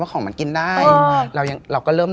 อ๋อคนเดิม